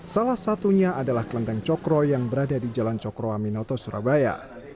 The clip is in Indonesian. salah satunya adalah kelenteng cokro yang berada di jalan cokro aminoto surabaya